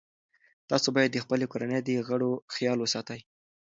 تاسو باید د خپلې کورنۍ د غړو خیال وساتئ.